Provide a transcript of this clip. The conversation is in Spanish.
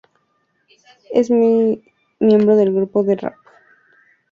Es miembro del grupo de rap "Reyes del Pulmón" y "Vieja Guardia".